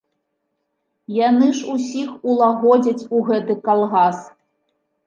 Яны ж усіх улагодзяць у гэты калгас.